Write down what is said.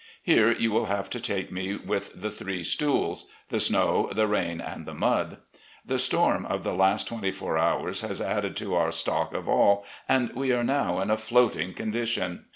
Here you will have to take me with the three stools — the snow, the rain, and the mud. The storm of the last twenty four hours has added to our stock of all, and we are now in a floating condition.